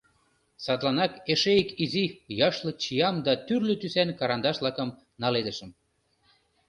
Садланак эше ик изи яшлык чиям да тӱрлӧ тӱсан карандаш-влакым наледышым.